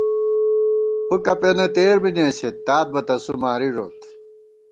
فُکہ پېنہ تېر بی نېسِت، تات بہ تسُو ماری ݫُوت